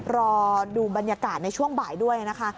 รอดูบรรยากาศในช่วงบ่ายด้วยนะคะ